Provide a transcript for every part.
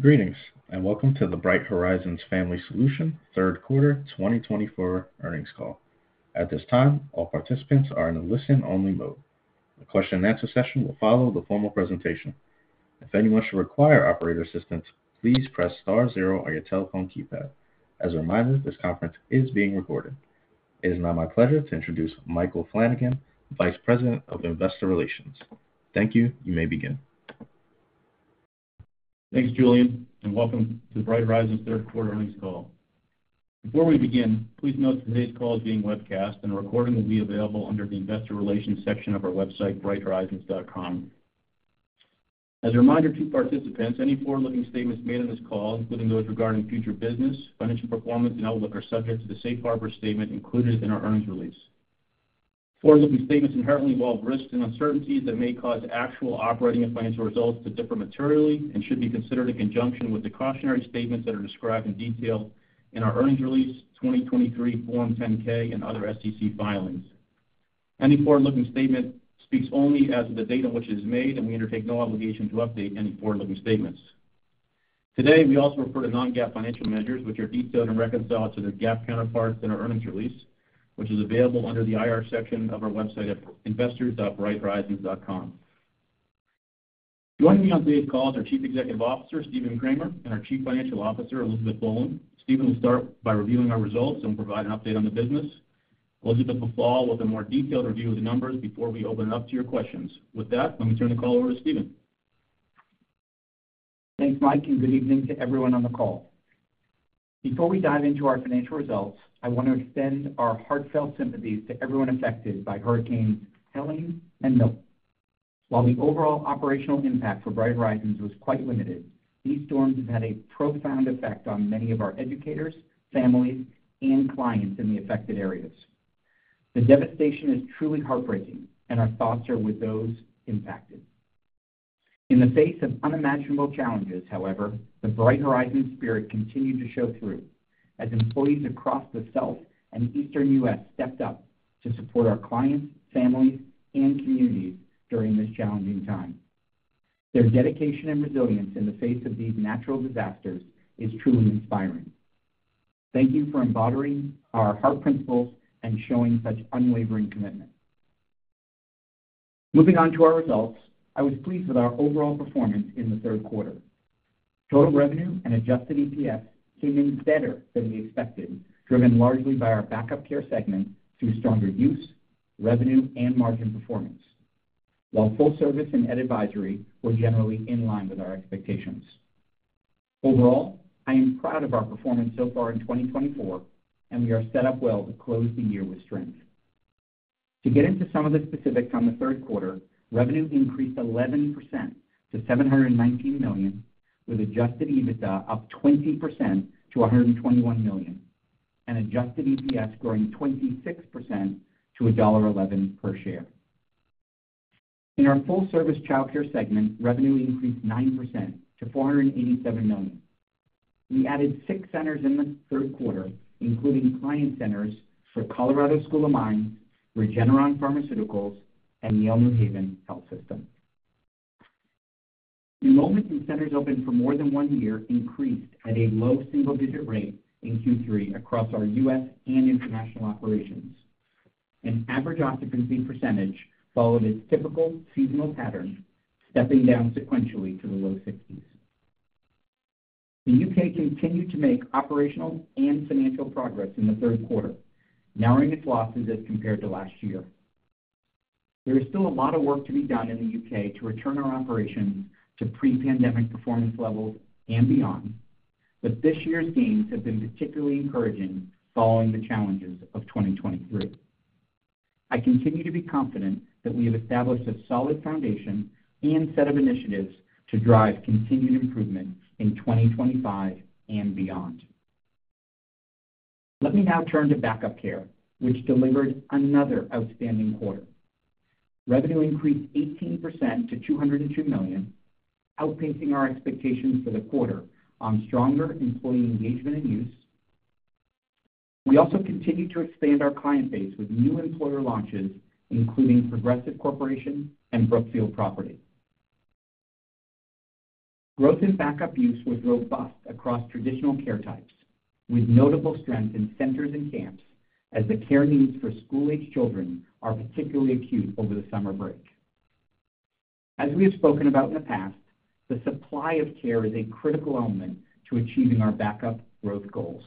Greetings and welcome to the Bright Horizons Family Solutions Third Quarter 2024 Earnings Call. At this time, all participants are in a listen-only mode. The question-and-answer session will follow the formal presentation. If anyone should require operator assistance, please press star zero on your telephone keypad. As a reminder, this conference is being recorded. It is now my pleasure to introduce Michael Flanagan, Vice President of Investor Relations. Thank you. You may begin. Thanks, Julian, and welcome to the Bright Horizons Third Quarter Earnings Call. Before we begin, please note today's call is being webcast, and a recording will be available under the Investor Relations section of our website, brighthorizons.com. As a reminder to participants, any forward-looking statements made in this call, including those regarding future business, financial performance, and outlook, are subject to the Safe Harbor statement included in our earnings release. Forward-looking statements inherently involve risks and uncertainties that may cause actual operating and financial results to differ materially and should be considered in conjunction with the cautionary statements that are described in detail in our earnings release, 2023 Form 10-K, and other SEC filings. Any forward-looking statement speaks only as of the date on which it is made, and we undertake no obligation to update any forward-looking statements. Today, we also refer to non-GAAP financial measures, which are detailed and reconciled to their GAAP counterparts in our earnings release, which is available under the IR section of our website at investors.brighthorizons.com. Joining me on today's call is our Chief Executive Officer, Stephen Kramer, and our Chief Financial Officer, Elizabeth Boland. Stephen will start by reviewing our results and will provide an update on the business. Elizabeth will follow with a more detailed review of the numbers before we open it up to your questions. With that, let me turn the call over to Stephen. Thanks, Mike, and good evening to everyone on the call. Before we dive into our financial results, I want to extend our heartfelt sympathies to everyone affected by Hurricanes Helene and Milton. While the overall operational impact for Bright Horizons was quite limited, these storms have had a profound effect on many of our educators, families, and clients in the affected areas. The devastation is truly heartbreaking, and our thoughts are with those impacted. In the face of unimaginable challenges, however, the Bright Horizons spirit continued to show through as employees across the South and Eastern U.S. stepped up to support our clients, families, and communities during this challenging time. Their dedication and resilience in the face of these natural disasters is truly inspiring. Thank you for embodying our heart principles and showing such unwavering commitment. Moving on to our results, I was pleased with our overall performance in the third quarter. Total revenue and adjusted EPS came in better than we expected, driven largely by our backup care segment through stronger use, revenue, and margin performance, while full service and advisory were generally in line with our expectations. Overall, I am proud of our performance so far in 2024, and we are set up well to close the year with strength. To get into some of the specifics on the third quarter, revenue increased 11% to $719 million, with adjusted EBITDA up 20% to $121 million, and adjusted EPS growing 26% to $1.11 per share. In our full-service childcare segment, revenue increased 9% to $487 million. We added six centers in the third quarter, including client centers for Colorado School of Mines, Regeneron Pharmaceuticals, and Yale New Haven Health System. Enrollment in centers open for more than one year increased at a low single-digit rate in Q3 across our U.S. and international operations. An average occupancy percentage followed its typical seasonal pattern, stepping down sequentially to the low 60s. The U.K. continued to make operational and financial progress in the third quarter, narrowing its losses as compared to last year. There is still a lot of work to be done in the U.K. to return our operations to pre-pandemic performance levels and beyond, but this year's gains have been particularly encouraging following the challenges of 2023. I continue to be confident that we have established a solid foundation and set of initiatives to drive continued improvement in 2025 and beyond. Let me now turn to backup care, which delivered another outstanding quarter. Revenue increased 18% to $202 million, outpacing our expectations for the quarter on stronger employee engagement and use. We also continue to expand our client base with new employer launches, including Progressive Corporation and Brookfield Properties. Growth in backup use was robust across traditional care types, with notable strength in centers and camps as the care needs for school-aged children are particularly acute over the summer break. As we have spoken about in the past, the supply of care is a critical element to achieving our backup growth goals.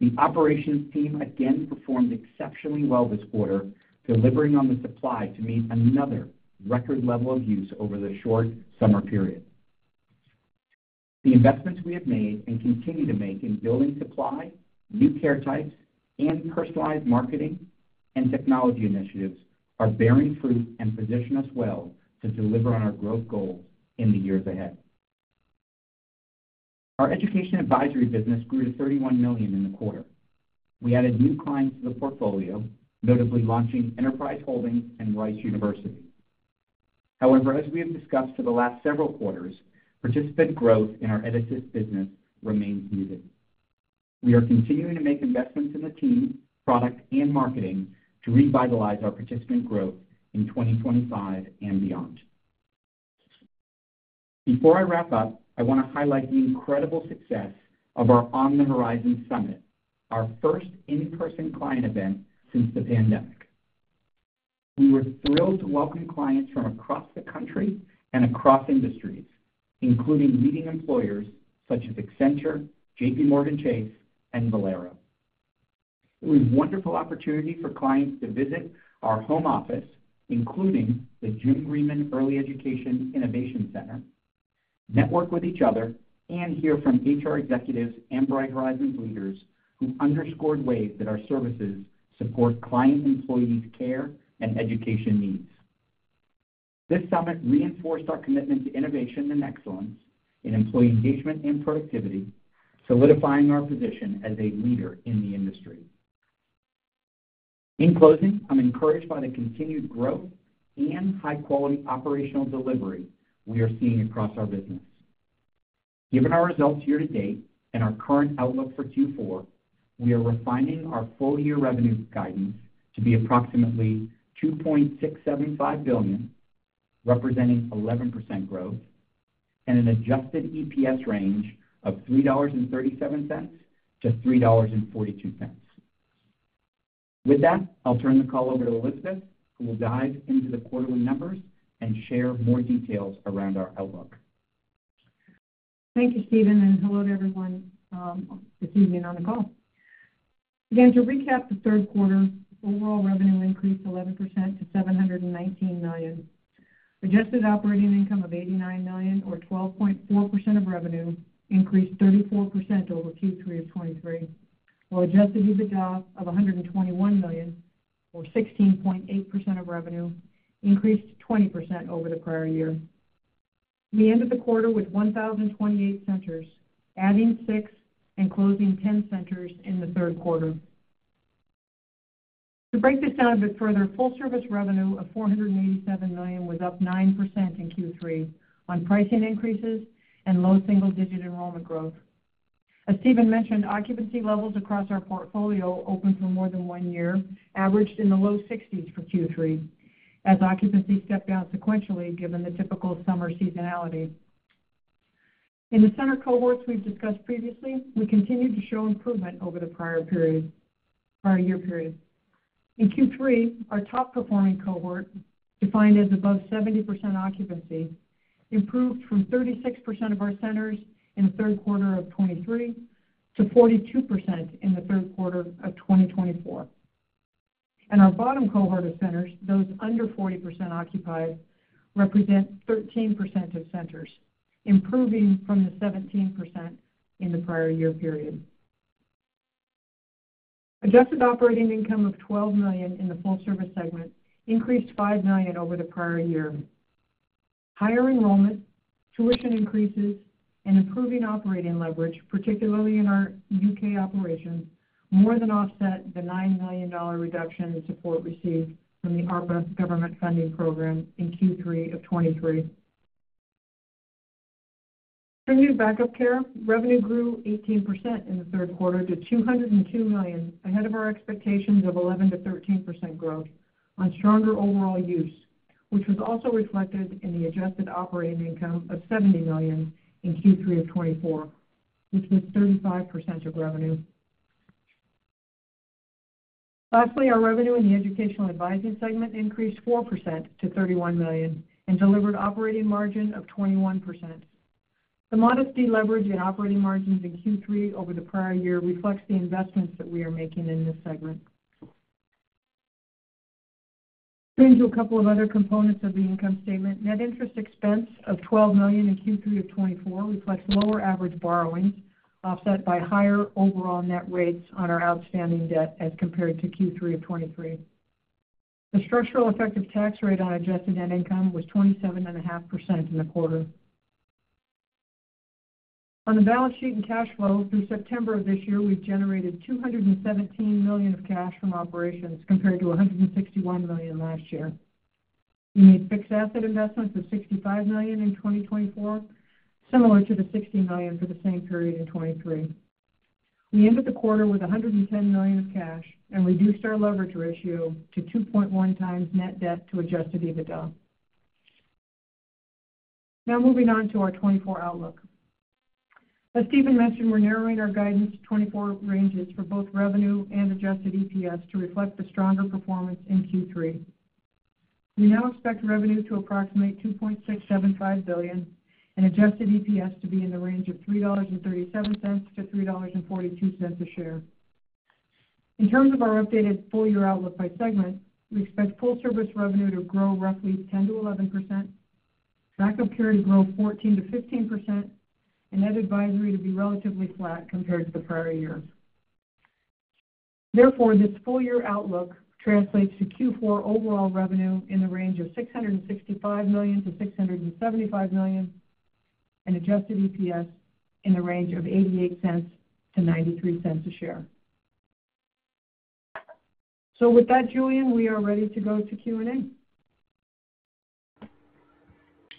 The operations team again performed exceptionally well this quarter, delivering on the supply to meet another record level of use over the short summer period. The investments we have made and continue to make in building supply, new care types, and personalized marketing and technology initiatives are bearing fruit and position us well to deliver on our growth goals in the years ahead. Our education advisory business grew to $31 million in the quarter. We added new clients to the portfolio, notably launching Enterprise Holdings and Rice University. However, as we have discussed for the last several quarters, participant growth in our EdAssist business remains muted. We are continuing to make investments in the team, product, and marketing to revitalize our participant growth in 2025 and beyond. Before I wrap up, I want to highlight the incredible success of our On the Horizon Summit, our first in-person client event since the pandemic. We were thrilled to welcome clients from across the country and across industries, including leading employers such as Accenture, JPMorgan Chase, and Valero. It was a wonderful opportunity for clients to visit our home office, including the Jim Greenman Early Education Innovation Center, network with each other, and hear from HR executives and Bright Horizons leaders who underscored ways that our services support client-employee care and education needs. This summit reinforced our commitment to innovation and excellence in employee engagement and productivity, solidifying our position as a leader in the industry. In closing, I'm encouraged by the continued growth and high-quality operational delivery we are seeing across our business. Given our results year to date and our current outlook for Q4, we are refining our full-year revenue guidance to be approximately $2.675 billion, representing 11% growth, and an adjusted EPS range of $3.37-$3.42. With that, I'll turn the call over to Elizabeth, who will dive into the quarterly numbers and share more details around our outlook. Thank you, Stephen, and hello to everyone this evening on the call. Again, to recap the third quarter, overall revenue increased 11% to $719 million. Adjusted Operating Income of $89 million, or 12.4% of revenue, increased 34% over Q3 of 2023, while Adjusted EBITDA of $121 million, or 16.8% of revenue, increased 20% over the prior year. We ended the quarter with 1,028 centers, adding six and closing 10 centers in the third quarter. To break this down a bit further, full-service revenue of $487 million was up 9% in Q3 on pricing increases and low single-digit enrollment growth. As Stephen mentioned, occupancy levels across our portfolio open for more than one year averaged in the low 60s for Q3, as occupancy stepped down sequentially given the typical summer seasonality. In the center cohorts we've discussed previously, we continue to show improvement over the prior year period. In Q3, our top-performing cohort, defined as above 70% occupancy, improved from 36% of our centers in the third quarter of 2023 to 42% in the third quarter of 2024, and our bottom cohort of centers, those under 40% occupied, represent 13% of centers, improving from the 17% in the prior year period. Adjusted operating income of $12 million in the full-service segment increased $5 million over the prior year. Higher enrollment, tuition increases, and improving operating leverage, particularly in our U.K. operations, more than offset the $9 million reduction in support received from the ARPA government funding program in Q3 of 2023. Continuing backup care, revenue grew 18% in the third quarter to $202 million, ahead of our expectations of 11%-13% growth on stronger overall use, which was also reflected in the adjusted operating income of $70 million in Q3 of 2024, which was 35% of revenue. Lastly, our revenue in the educational advising segment increased 4% to $31 million and delivered an operating margin of 21%. The modest deleverage in operating margins in Q3 over the prior year reflects the investments that we are making in this segment. Turning to a couple of other components of the income statement, net interest expense of $12 million in Q3 of 2024 reflects lower average borrowings, offset by higher overall net rates on our outstanding debt as compared to Q3 of 2023. The structural effective tax rate on adjusted net income was 27.5% in the quarter. On the balance sheet and cash flow, through September of this year, we've generated $217 million of cash from operations compared to $161 million last year. We made fixed asset investments of $65 million in 2024, similar to the $60 million for the same period in 2023. We ended the quarter with $110 million of cash and reduced our leverage ratio to 2.1 times net debt to Adjusted EBITDA. Now moving on to our 2024 outlook. As Stephen mentioned, we're narrowing our guidance to 2024 ranges for both revenue and Adjusted EPS to reflect the stronger performance in Q3. We now expect revenue to approximate $2.675 billion and Adjusted EPS to be in the range of $3.37-$3.42 a share. In terms of our updated full-year outlook by segment, we expect full-service revenue to grow roughly 10%-11%, backup care to grow 14%-15%, and net advisory to be relatively flat compared to the prior year. Therefore, this full-year outlook translates to Q4 overall revenue in the range of $665-$675 million and Adjusted EPS in the range of $0.88-$0.93 a share. So with that, Julian, we are ready to go to Q&A.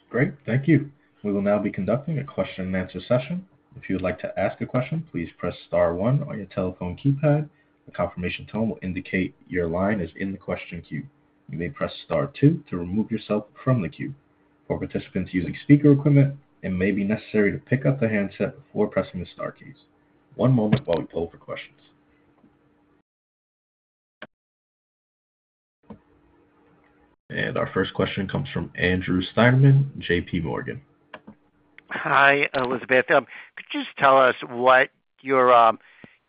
Great. Thank you. We will now be conducting a question-and-answer session. If you would like to ask a question, please press star, one on your telephone keypad. The confirmation tone will indicate your line is in the question queue. You may press star, two to remove yourself from the queue. For participants using speaker equipment, it may be necessary to pick up the handset before pressing the star keys. One moment while we pull for questions. And our first question comes from Andrew Steinerman, JPMorgan. Hi, Elizabeth. Could you just tell us what your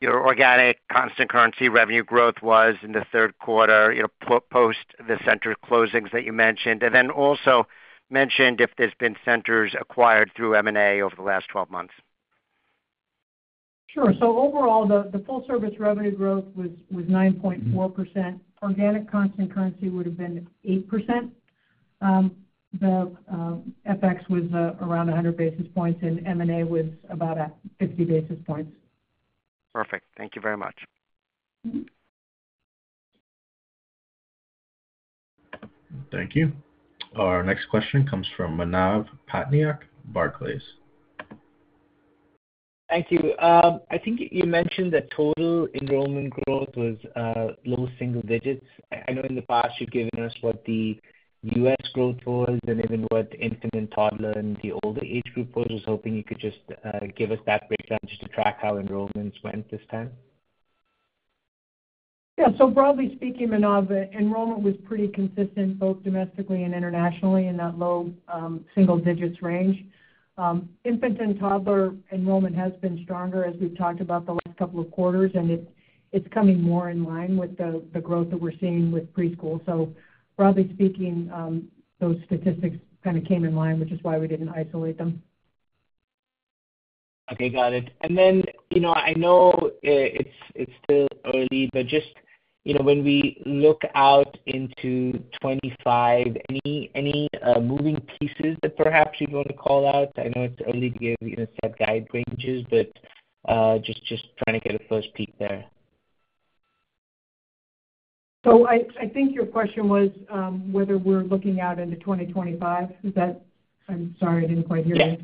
organic constant currency revenue growth was in the third quarter post the center closings that you mentioned, and then also mentioned if there's been centers acquired through M&A over the last 12 months? Sure. So overall, the full-service revenue growth was 9.4%. Organic constant currency would have been 8%. The FX was around 100 basis points, and M&A was about 50 basis points. Perfect. Thank you very much. Thank you. Our next question comes from Manav Patnaik, Barclays. Thank you. I think you mentioned the total enrollment growth was low single digits. I know in the past you've given us what the U.S. growth was and even what infant and toddler and the older age group was. I was hoping you could just give us that breakdown just to track how enrollments went this time. Yeah. So broadly speaking, Manav, enrollment was pretty consistent both domestically and internationally in that low single digits range. Infant and toddler enrollment has been stronger, as we've talked about the last couple of quarters, and it's coming more in line with the growth that we're seeing with preschool. So broadly speaking, those statistics kind of came in line, which is why we didn't isolate them. Okay. Got it. And then I know it's still early, but just when we look out into 2025, any moving pieces that perhaps you'd want to call out? I know it's early to give you a set guidance ranges, but just trying to get a first peek there. So I think your question was whether we're looking out into 2025? I'm sorry, I didn't quite hear you.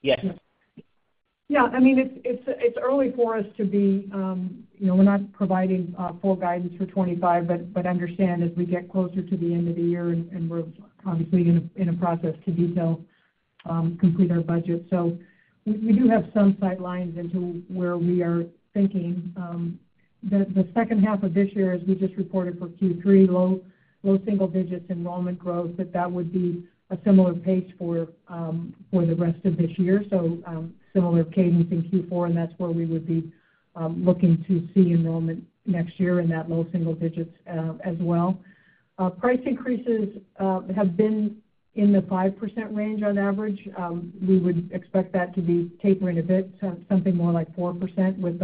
Yes. Yes. Yeah. I mean, it's early for us to be - we're not providing full guidance for 2025, but understand as we get closer to the end of the year, and we're obviously in a process to detail complete our budget. So we do have some sight lines into where we are thinking. The second half of this year, as we just reported for Q3, low single digits enrollment growth, but that would be a similar pace for the rest of this year. So similar cadence in Q4, and that's where we would be looking to see enrollment next year in that low single digits as well. Price increases have been in the 5% range on average. We would expect that to be tapering a bit, something more like 4% with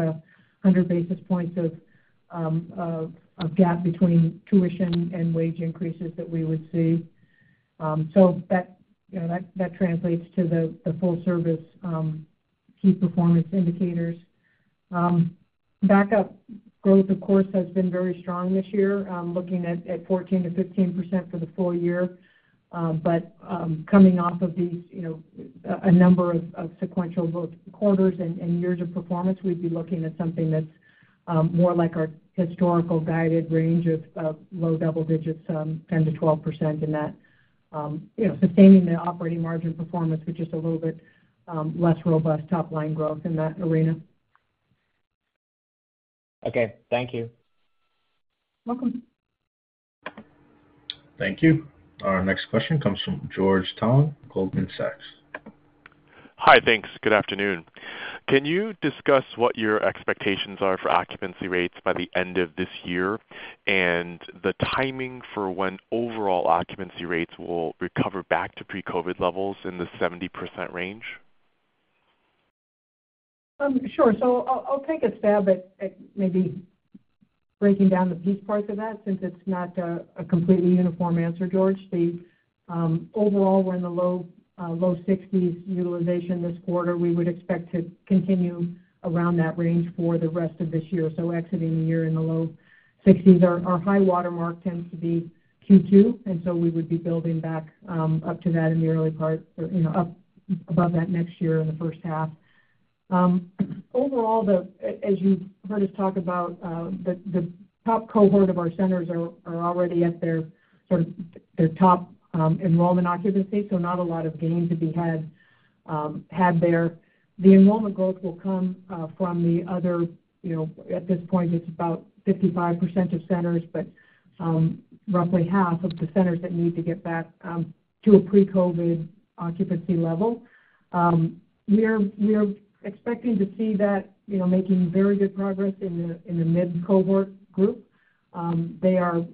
100 basis points of gap between tuition and wage increases that we would see. So that translates to the full-service key performance indicators. Backup growth, of course, has been very strong this year, looking at 14%-15% for the full year. But coming off of a number of sequential both quarters and years of performance, we'd be looking at something that's more like our historical guided range of low double digits, 10%-12%, and that sustaining the operating margin performance with just a little bit less robust top-line growth in that arena. Okay. Thank you. Welcome. Thank you. Our next question comes from George Tong, Goldman Sachs. Hi, thanks. Good afternoon. Can you discuss what your expectations are for occupancy rates by the end of this year and the timing for when overall occupancy rates will recover back to pre-COVID levels in the 70% range? Sure. So I'll take a stab at maybe breaking down the piece parts of that since it's not a completely uniform answer, George. Overall, we're in the low 60s utilization this quarter. We would expect to continue around that range for the rest of this year. So exiting the year in the low 60s. Our high watermark tends to be Q2, and so we would be building back up to that in the early part or up above that next year in the first half. Overall, as you've heard us talk about, the top cohort of our centers are already at their top enrollment occupancy, so not a lot of gain to be had there. The enrollment growth will come from the other, at this point, it's about 55% of centers, but roughly half of the centers that need to get back to a pre-COVID occupancy level. We are expecting to see that making very good progress in the mid-cohort group. They are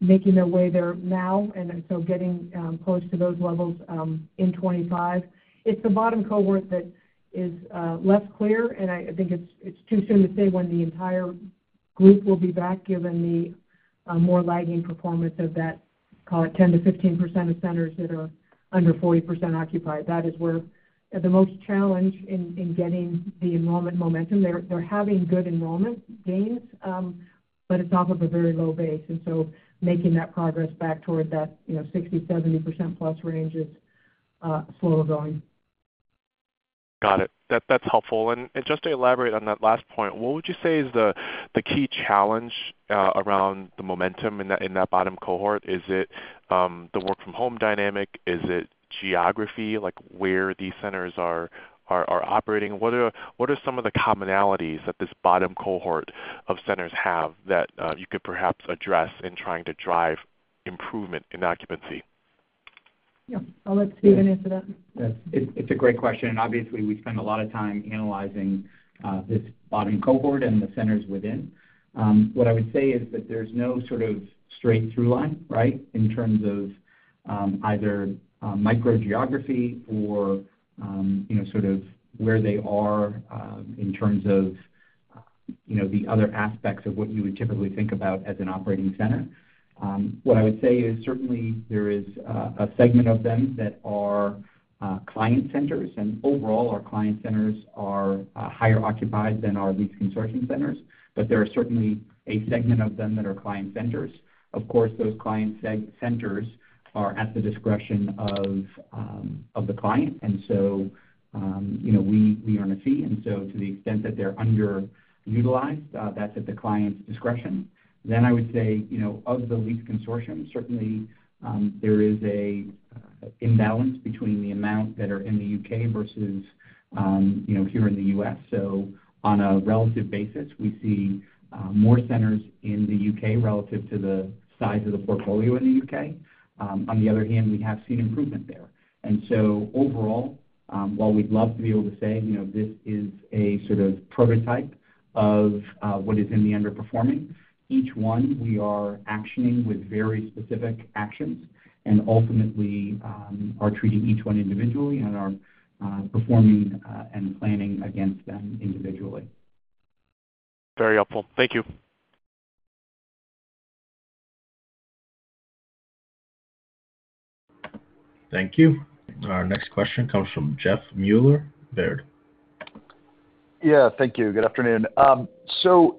making their way there now and so getting close to those levels in 2025. It's the bottom cohort that is less clear, and I think it's too soon to say when the entire group will be back given the more lagging performance of that, call it 10%-15% of centers that are under 40% occupied. That is where the most challenge in getting the enrollment momentum. They're having good enrollment gains, but it's off of a very low base, and so making that progress back toward that 60%-70% plus range is slow going. Got it. That's helpful. And just to elaborate on that last point, what would you say is the key challenge around the momentum in that bottom cohort? Is it the work-from-home dynamic? Is it geography, like where these centers are operating? What are some of the commonalities that this bottom cohort of centers have that you could perhaps address in trying to drive improvement in occupancy? Yeah. I'll let Stephen answer that. It's a great question, and obviously, we spend a lot of time analyzing this bottom cohort and the centers within. What I would say is that there's no sort of straight-through line, right, in terms of either microgeography or sort of where they are in terms of the other aspects of what you would typically think about as an operating center. What I would say is certainly there is a segment of them that are client centers, and overall, our client centers are higher occupied than our lease consortium centers, but there are certainly a segment of them that are client centers. Of course, those client centers are at the discretion of the client, and so we earn a fee, and so to the extent that they're underutilized, that's at the client's discretion. Then I would say, of the Lease Consortium, certainly there is an imbalance between the amount that are in the U.K. versus here in the U.S. So on a relative basis, we see more centers in the U.K. relative to the size of the portfolio in the U.K. On the other hand, we have seen improvement there. And so overall, while we'd love to be able to say this is a sort of prototype of what is in the underperforming, each one we are actioning with very specific actions and ultimately are treating each one individually and are performing and planning against them individually. Very helpful. Thank you. Thank you. Our next question comes from Jeff Meuler, Baird. Yeah. Thank you. Good afternoon. So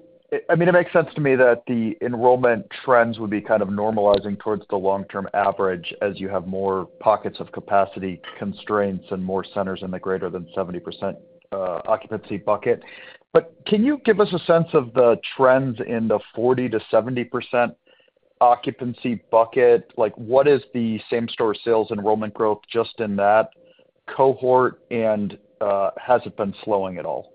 I mean, it makes sense to me that the enrollment trends would be kind of normalizing towards the long-term average as you have more pockets of capacity constraints and more centers in the greater than 70% occupancy bucket. But can you give us a sense of the trends in the 40%-70% occupancy bucket? What is the same-store sales enrollment growth just in that cohort, and has it been slowing at all?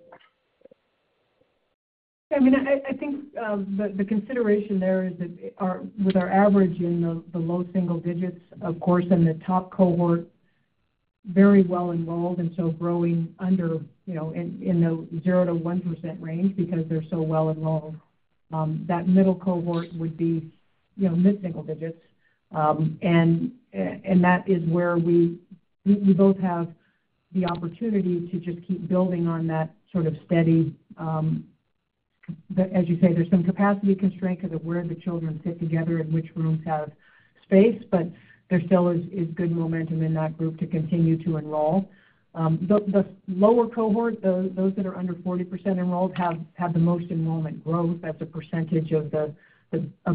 I mean, I think the consideration there is that with our average in the low single digits, of course, in the top cohort, very well enrolled and so growing under in the 0%-1% range because they're so well enrolled. That middle cohort would be mid-single digits, and that is where we both have the opportunity to just keep building on that sort of steady, as you say, there's some capacity constraint because of where the children sit together and which rooms have space, but there still is good momentum in that group to continue to enroll. The lower cohort, those that are under 40% enrolled, have the most enrollment growth as a percentage of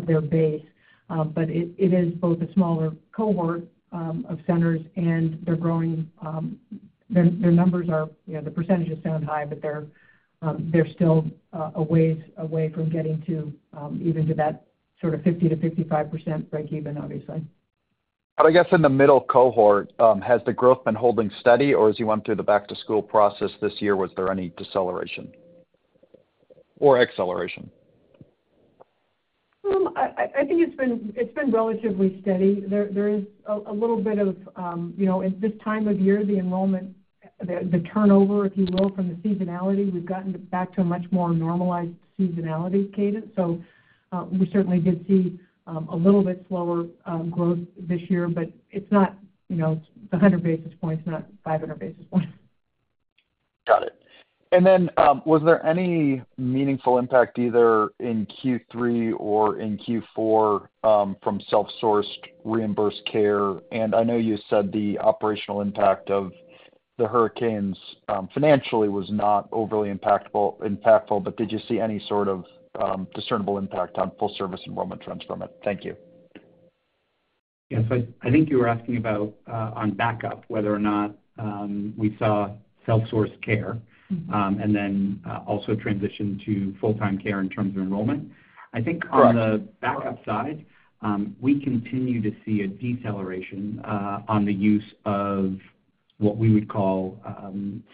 their base. But it is both a smaller cohort of centers, and their numbers are the percentages sound high, but they're still a ways away from getting to even to that sort of 50%-55% breakeven, obviously. But I guess in the middle cohort, has the growth been holding steady, or as you went through the back-to-school process this year, was there any deceleration or acceleration? I think it's been relatively steady. There is a little bit of this time of year, the enrollment, the turnover, if you will, from the seasonality, we've gotten back to a much more normalized seasonality cadence. So we certainly did see a little bit slower growth this year, but it's not the 100 basis points, not 500 basis points. Got it. And then was there any meaningful impact either in Q3 or in Q4 from self-sourced reimbursed care? And I know you said the operational impact of the hurricanes financially was not overly impactful, but did you see any sort of discernible impact on full-service enrollment trends from it? Thank you. Yes. I think you were asking about on backup, whether or not we saw self-sourced care and then also transition to full-time care in terms of enrollment. I think on the backup side, we continue to see a deceleration on the use of what we would call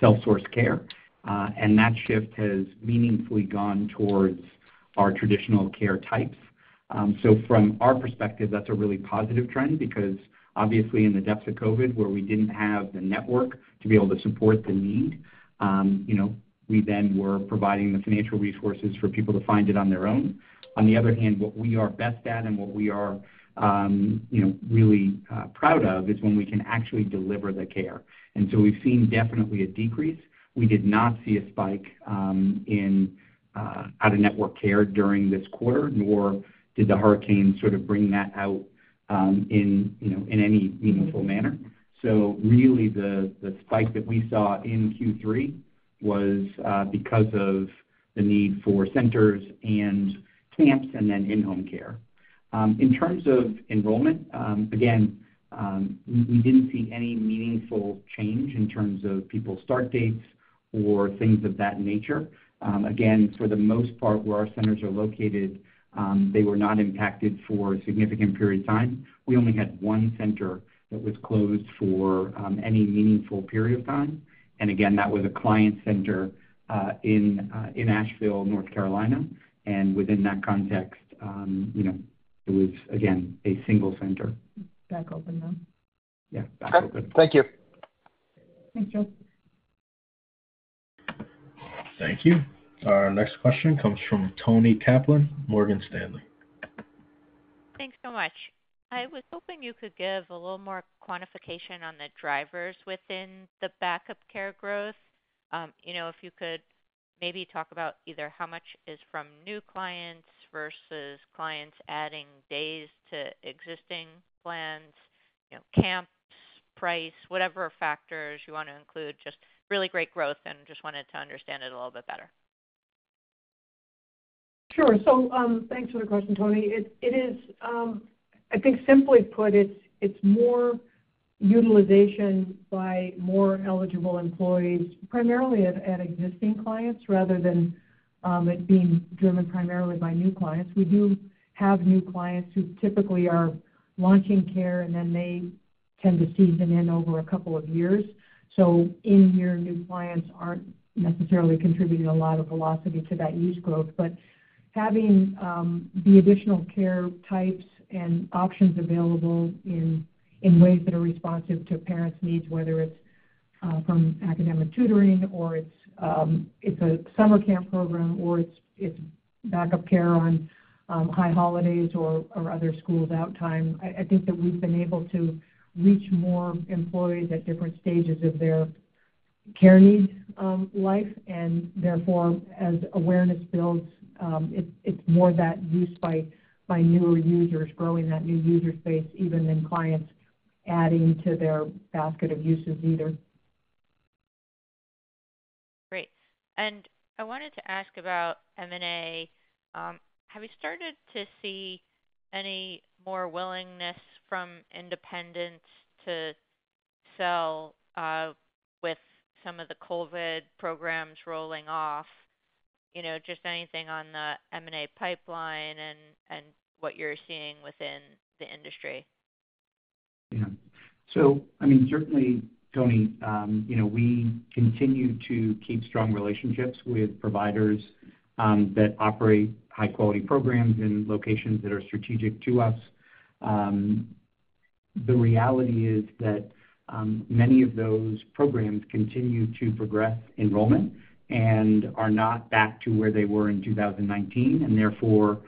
self-sourced care. And that shift has meaningfully gone towards our traditional care types. So from our perspective, that's a really positive trend because obviously in the depths of COVID, where we didn't have the network to be able to support the need, we then were providing the financial resources for people to find it on their own. On the other hand, what we are best at and what we are really proud of is when we can actually deliver the care. And so we've seen definitely a decrease. We did not see a spike in out-of-network care during this quarter, nor did the hurricane sort of bring that out in any meaningful manner, so really, the spike that we saw in Q3 was because of the need for centers and camps and then in-home care. In terms of enrollment, again, we didn't see any meaningful change in terms of people's start dates or things of that nature. Again, for the most part, where our centers are located, they were not impacted for a significant period of time. We only had one center that was closed for any meaningful period of time, and again, that was a client center in Asheville, North Carolina, and within that context, it was, again, a single center. Back open, though. Yeah. Back open. Perfect. Thank you. Thanks, Joe. Thank you. Our next question comes from Toni Kaplan, Morgan Stanley. Thanks so much. I was hoping you could give a little more quantification on the drivers within the Backup Care growth. If you could maybe talk about either how much is from new clients versus clients adding days to existing plans, camps, price, whatever factors you want to include, just really great growth and just wanted to understand it a little bit better. Sure. Thanks for the question, Toni. It is, I think, simply put, it's more utilization by more eligible employees, primarily at existing clients rather than it being driven primarily by new clients. We do have new clients who typically are launching care, and then they tend to season in over a couple of years. In-year new clients aren't necessarily contributing a lot of velocity to that use growth. Having the additional care types and options available in ways that are responsive to parents' needs, whether it's from academic tutoring, or it's a summer camp program, or it's backup care on High Holidays or other schools' out time, I think that we've been able to reach more employees at different stages of their care need life. And therefore, as awareness builds, it's more that use by newer users growing that new user space, even then clients adding to their basket of uses either. Great. And I wanted to ask about M&A. Have you started to see any more willingness from independents to sell with some of the COVID programs rolling off? Just anything on the M&A pipeline and what you're seeing within the industry. Yeah. So I mean, certainly, Toni, we continue to keep strong relationships with providers that operate high-quality programs in locations that are strategic to us. The reality is that many of those programs continue to progress enrollment and are not back to where they were in 2019. And therefore,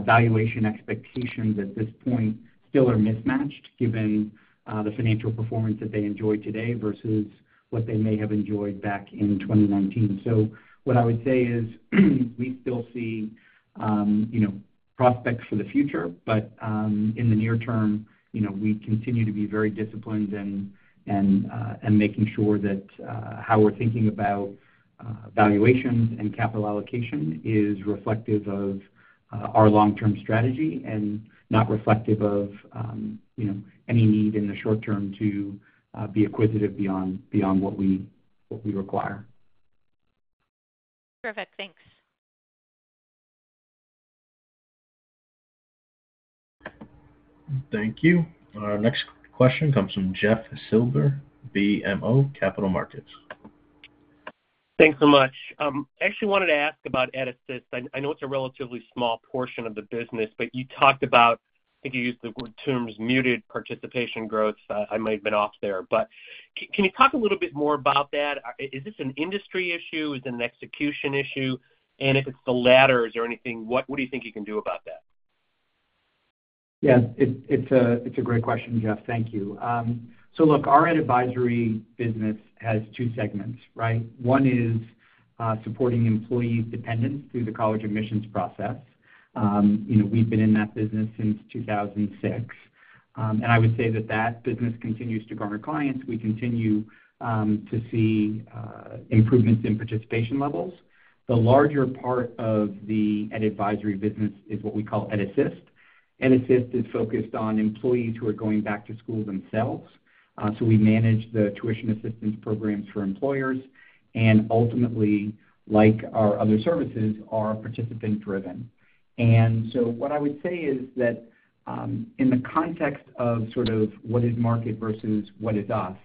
valuation expectations at this point still are mismatched given the financial performance that they enjoy today versus what they may have enjoyed back in 2019. So what I would say is we still see prospects for the future, but in the near term, we continue to be very disciplined in making sure that how we're thinking about valuations and capital allocation is reflective of our long-term strategy and not reflective of any need in the short term to be acquisitive beyond what we require. Perfect. Thanks. Thank you. Our next question comes from Jeff Silber, BMO Capital Markets. Thanks so much. I actually wanted to ask about EdAssist. I know it's a relatively small portion of the business, but you talked about, I think you used the term muted participation growth. I might have been off there. But can you talk a little bit more about that? Is this an industry issue? Is it an execution issue? And if it's the latter, is there anything? What do you think you can do about that? Yeah. It's a great question, Jeff. Thank you. So look, our advisory business has two segments, right? One is supporting employee dependents through the college admissions process. We've been in that business since 2006. And I would say that that business continues to garner clients. We continue to see improvements in participation levels. The larger part of the advisory business is what we call EdAssist. EdAssist is focused on employees who are going back to school themselves. So we manage the tuition assistance programs for employers. And ultimately, like our other services, are participant-driven. And so what I would say is that in the context of sort of what is market versus what is us,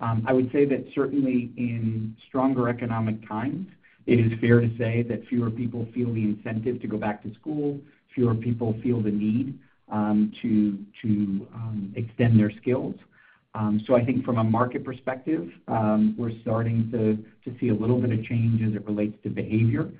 I would say that certainly in stronger economic times, it is fair to say that fewer people feel the incentive to go back to school, fewer people feel the need to extend their skills. So I think from a market perspective, we're starting to see a little bit of change as it relates to behavior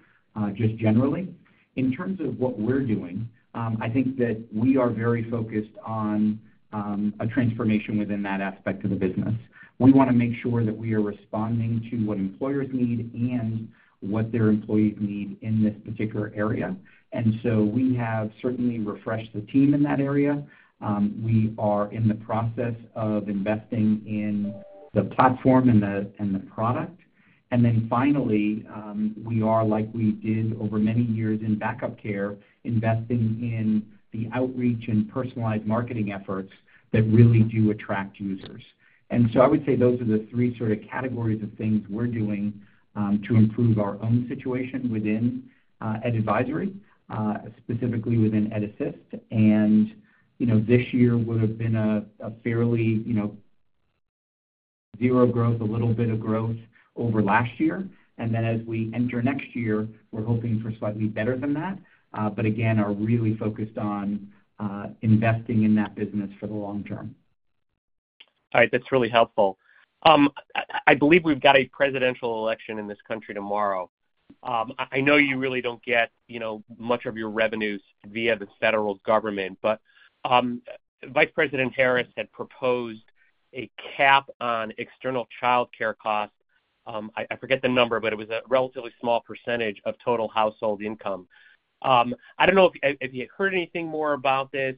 just generally. In terms of what we're doing, I think that we are very focused on a transformation within that aspect of the business. We want to make sure that we are responding to what employers need and what their employees need in this particular area. And so we have certainly refreshed the team in that area. We are in the process of investing in the platform and the product. And then finally, we are, like we did over many years in backup care, investing in the outreach and personalized marketing efforts that really do attract users. And so I would say those are the three sort of categories of things we're doing to improve our own situation within advisory, specifically within EdAssist. This year would have been a fairly zero growth, a little bit of growth over last year. Then as we enter next year, we're hoping for slightly better than that. Again, we are really focused on investing in that business for the long term. All right. That's really helpful. I believe we've got a presidential election in this country tomorrow. I know you really don't get much of your revenues via the federal government, but Vice President Harris had proposed a cap on external childcare costs. I forget the number, but it was a relatively small percentage of total household income. I don't know if you heard anything more about this.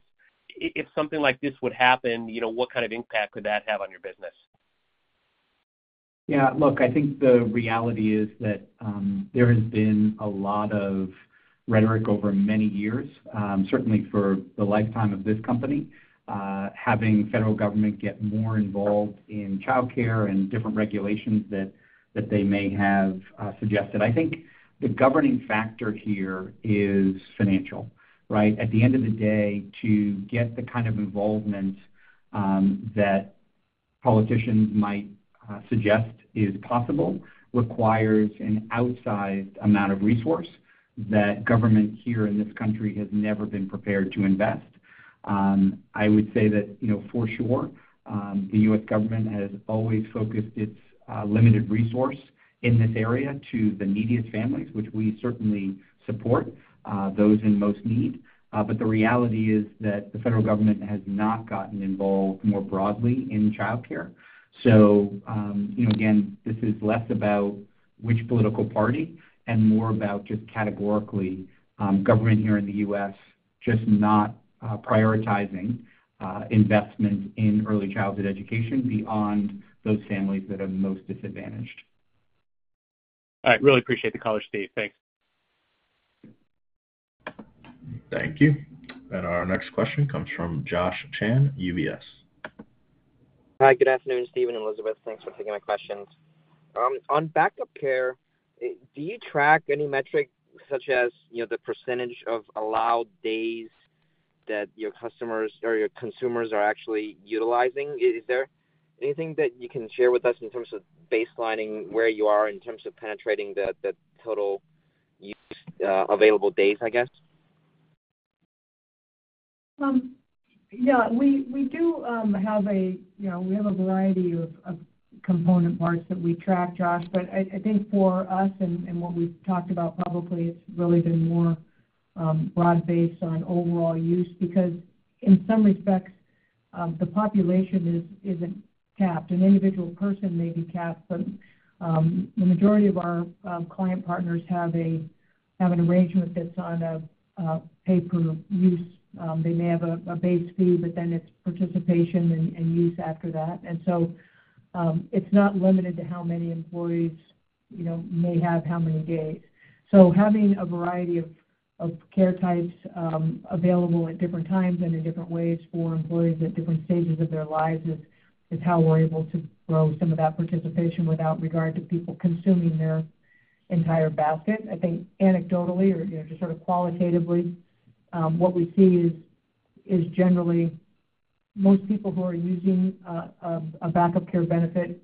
If something like this would happen, what kind of impact could that have on your business? Yeah. Look, I think the reality is that there has been a lot of rhetoric over many years, certainly for the lifetime of this company, having federal government get more involved in childcare and different regulations that they may have suggested. I think the governing factor here is financial, right? At the end of the day, to get the kind of involvement that politicians might suggest is possible, requires an outsized amount of resource that government here in this country has never been prepared to invest. I would say that for sure, the U.S. government has always focused its limited resource in this area to the neediest families, which we certainly support, those in most need. But the reality is that the federal government has not gotten involved more broadly in childcare. So again, this is less about which political party and more about just categorically government here in the U.S. just not prioritizing investment in early childhood education beyond those families that are most disadvantaged. All right. Really appreciate the call, Steve. Thanks. Thank you. Our next question comes from Josh Chan, UBS. Hi. Good afternoon, Stephen and Elizabeth. Thanks for taking my questions. On backup care, do you track any metrics such as the percentage of allowed days that your customers or your consumers are actually utilizing? Is there anything that you can share with us in terms of baselining where you are in terms of penetrating the total available days, I guess? Yeah. We do have a variety of component parts that we track, Josh. But I think for us and what we've talked about publicly, it's really been more broad-based on overall use because in some respects, the population isn't capped. An individual person may be capped, but the majority of our client partners have an arrangement that's on a pay-per-use. They may have a base fee, but then it's participation and use after that. And so it's not limited to how many employees may have how many days. So having a variety of care types available at different times and in different ways for employees at different stages of their lives is how we're able to grow some of that participation without regard to people consuming their entire basket. I think anecdotally or just sort of qualitatively, what we see is generally most people who are using a backup care benefit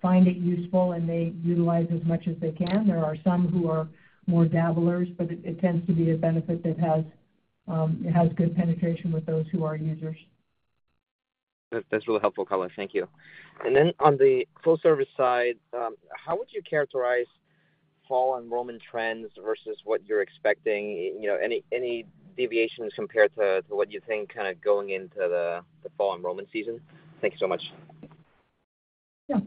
find it useful, and they utilize as much as they can. There are some who are more dabblers, but it tends to be a benefit that has good penetration with those who are users. That's really helpful, Colin. Thank you. And then on the full-service side, how would you characterize fall enrollment trends versus what you're expecting? Any deviations compared to what you think kind of going into the fall enrollment season? Thank you so much. Yeah.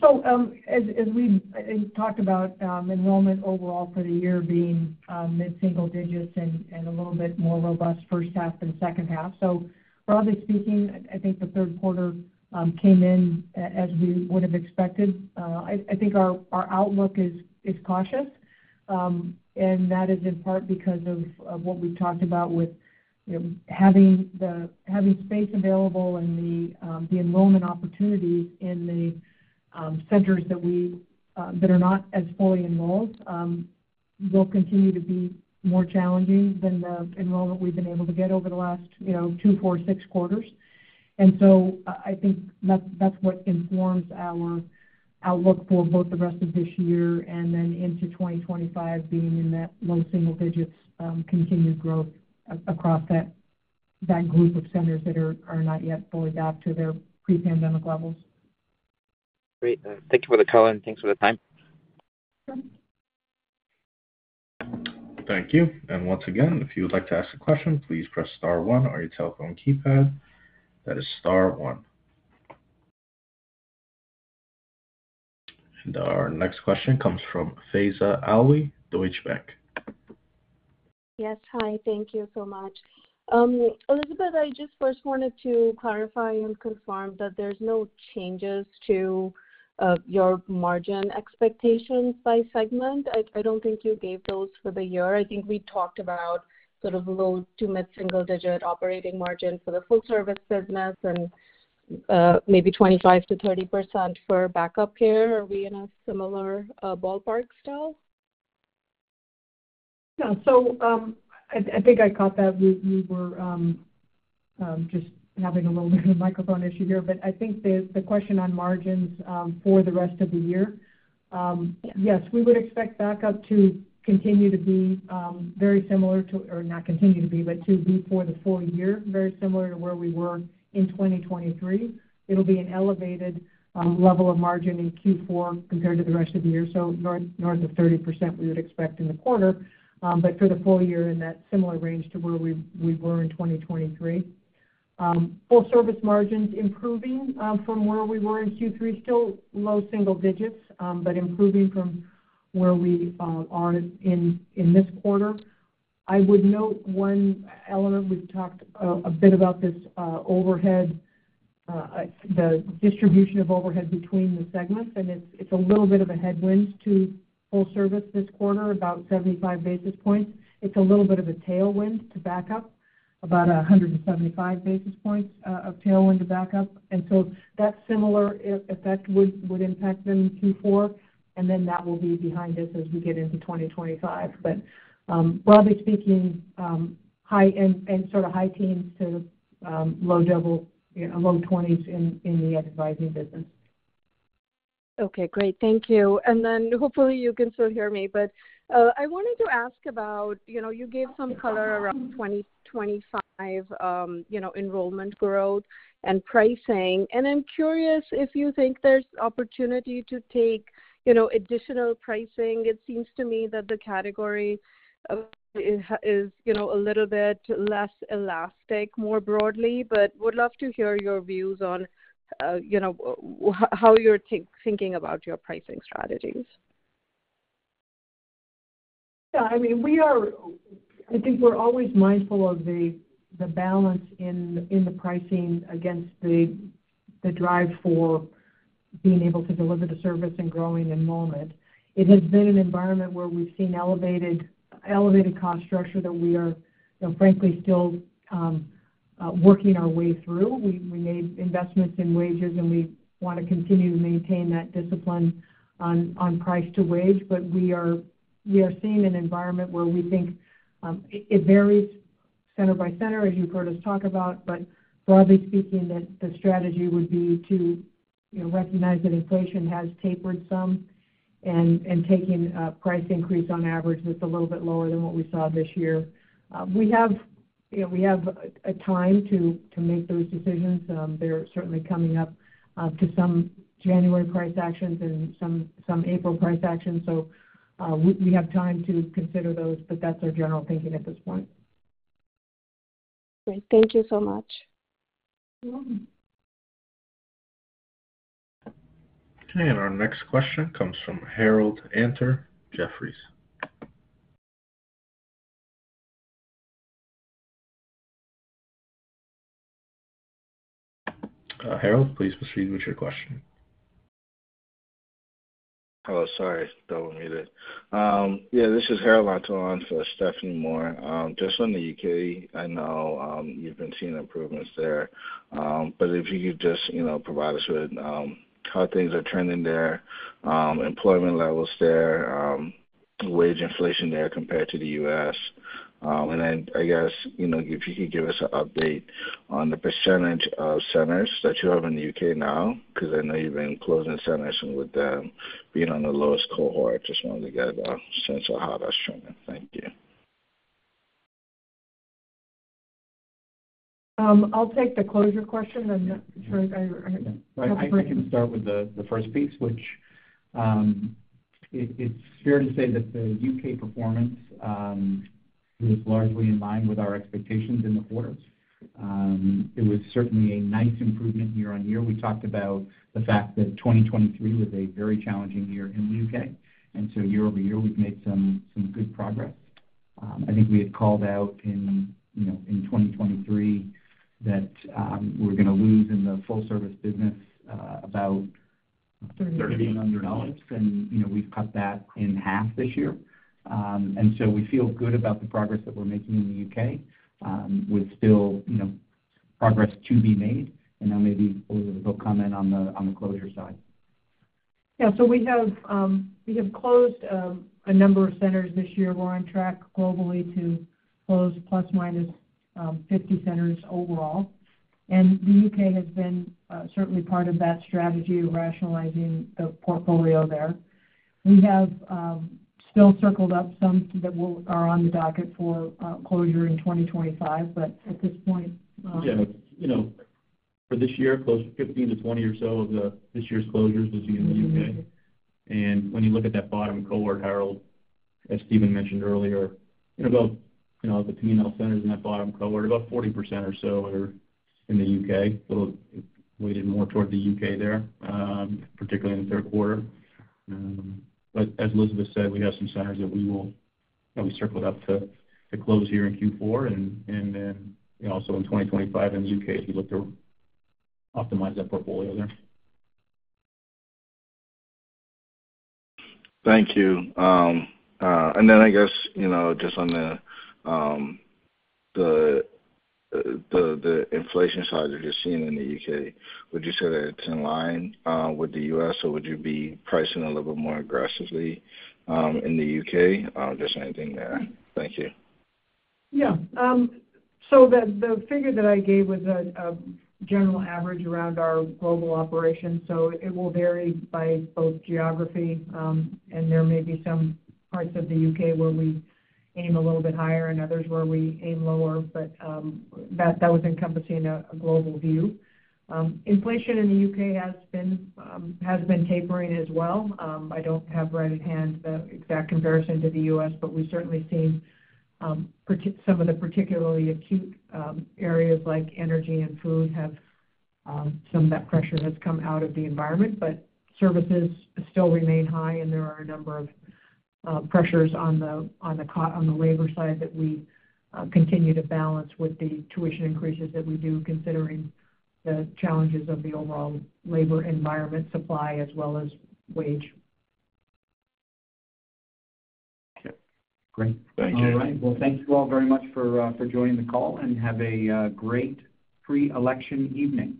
So, as we talked about, enrollment overall for the year being mid-single digits and a little bit more robust first half than second half. So, broadly speaking, I think the third quarter came in as we would have expected. I think our outlook is cautious. And that is in part because of what we've talked about with having space available and the enrollment opportunities in the centers that are not as fully enrolled will continue to be more challenging than the enrollment we've been able to get over the last two, four, six quarters. And so, I think that's what informs our outlook for both the rest of this year and then into 2025 being in that low single digits continued growth across that group of centers that are not yet fully back to their pre-pandemic levels. Great. Thank you for the call, and thanks for the time. Thank you. And once again, if you would like to ask a question, please press star, one on your telephone keypad. That is star, one. And our next question comes from Faiza Alwy, Deutsche Bank. Yes. Hi. Thank you so much. Elizabeth, I just first wanted to clarify and confirm that there's no changes to your margin expectations by segment. I don't think you gave those for the year. I think we talked about sort of low to mid-single-digit operating margin for the full-service business and maybe 25%-30% for backup care. Are we in a similar ballpark still? Yeah. So I think I caught that. We were just having a little bit of a microphone issue here. But I think the question on margins for the rest of the year, yes, we would expect backup to continue to be very similar to or not continue to be, but to be for the full year, very similar to where we were in 2023. It'll be an elevated level of margin in Q4 compared to the rest of the year. So north of 30%, we would expect in the quarter, but for the full year in that similar range to where we were in 2023. Full-service margins improving from where we were in Q3, still low single digits, but improving from where we are in this quarter. I would note one element we've talked a bit about this overhead, the distribution of overhead between the segments. And it's a little bit of a headwind to full-service this quarter, about 75 basis points. It's a little bit of a tailwind to backup, about 175 basis points of tailwind to backup. And so that similar effect would impact them Q4. And then that will be behind us as we get into 2025. But broadly speaking, high and sort of high teens to low double, low 20s in the advisory business. Okay. Great. Thank you. And then, hopefully you can still hear me. But I wanted to ask about. You gave some color around 2025 enrollment growth and pricing. And I'm curious if you think there's opportunity to take additional pricing. It seems to me that the category is a little bit less elastic, more broadly, but would love to hear your views on how you're thinking about your pricing strategies. Yeah. I mean, I think we're always mindful of the balance in the pricing against the drive for being able to deliver the service and growing enrollment. It has been an environment where we've seen elevated cost structure that we are, frankly, still working our way through. We made investments in wages, and we want to continue to maintain that discipline on price to wage. But we are seeing an environment where we think it varies center by center, as you've heard us talk about. But broadly speaking, the strategy would be to recognize that inflation has tapered some and taking price increase on average that's a little bit lower than what we saw this year. We have a time to make those decisions. They're certainly coming up to some January price actions and some April price actions. So we have time to consider those, but that's our general thinking at this point. Great. Thank you so much. Okay, and our next question comes from Harold Antor, Jefferies. Harold, please proceed with your question. This is Harold Antor on for Stephanie Moore. Just from the U.K., I know you've been seeing improvements there. But if you could just provide us with how things are trending there, employment levels there, wage inflation there compared to the U.S. And then I guess if you could give us an update on the percentage of centers that you have in the U.K. now because I know you've been closing centers and with them being on the lowest cohort. Just wanted to get a sense of how that's trending. Thank you. I'll take the closure question and make sure I remember. If I can start with the first piece, which it's fair to say that the U.K. performance was largely in line with our expectations in the quarter. It was certainly a nice improvement year-on-year. We talked about the fact that 2023 was a very challenging year in the U.K., and so year over year, we've made some good progress. I think we had called out in 2023 that we're going to lose in the full-service business about $3,100, and we've cut that in half this year, and so we feel good about the progress that we're making in the U.K. with still progress to be made, and then maybe Elizabeth will come in on the closure side. Yeah. So we have closed a number of centers this year. We're on track globally to close plus or minus 50 centers overall. And the U.K. has been certainly part of that strategy of rationalizing the portfolio there. We have still circled up some that are on the docket for closure in 2025, but at this point. Yeah. For this year, close to 15-20 or so of this year's closures was in the U.K. And when you look at that bottom cohort, Harold, as Stephen mentioned earlier, about the communal centers in that bottom cohort, about 40% or so are in the U.K. We'll weigh it more toward the U.K. there, particularly in the third quarter. But as Elizabeth said, we have some centers that we will have circled up to close here in Q4 and then also in 2025 in the U.K. if you look to optimize that portfolio there. Thank you. And then I guess just on the inflation side you're just seeing in the U.K., would you say that it's in line with the U.S., or would you be pricing a little bit more aggressively in the U.K.? Just anything there. Thank you. Yeah. So the figure that I gave was a general average around our global operation. So it will vary by both geography and there may be some parts of the U.K. where we aim a little bit higher and others where we aim lower. But that was encompassing a global view. Inflation in the U.K. has been tapering as well. I don't have right at hand the exact comparison to the U.S., but we've certainly seen some of the particularly acute areas like energy and food have some of that pressure has come out of the environment. But services still remain high, and there are a number of pressures on the labor side that we continue to balance with the tuition increases that we do considering the challenges of the overall labor environment supply as well as wage. Okay. Great. Thank you, everyone. Well, thank you all very much for joining the call, and have a great pre-election evening.